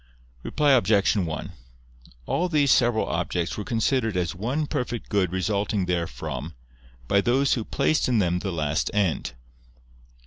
Reply Obj. 1: All these several objects were considered as one perfect good resulting therefrom, by those who placed in them the last end.